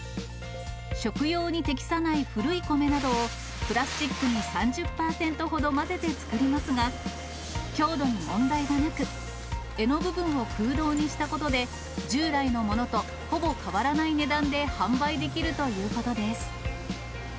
食用に適さない古い米などを、プラスチックに３０％ほど混ぜて作りますが、強度に問題はなく、柄の部分を空洞にしたことで、従来のものとほぼ変わらない値段で販売できるということです。